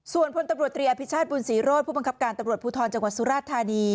ส่วนพลตำรวจตรีอภิชาติบุญศรีโรธผู้บังคับการตำรวจภูทรจังหวัดสุราชธานี